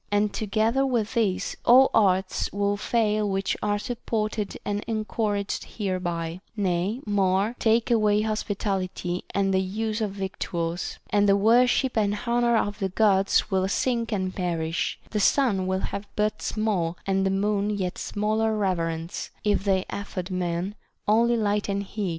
And together with this, all arts would fail which are supported and en couraged hereby ; nay, more, take away hospitality and the use of victuals, and the worship and honor of the Gods will sink and perish ; the sun will have but small and the moon yet smaller reverence, if they afford men only light and heat.